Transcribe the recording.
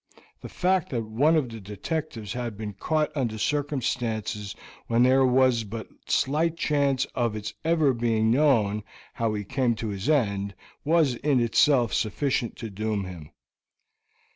The fact that one of the detectives had been caught under circumstances when there was but slight chance of its ever being known how he came to his end, was in itself sufficient to doom him.